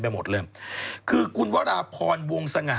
ปลาหมึกแท้เต่าทองอร่อยทั้งชนิดเส้นบดเต็มตัว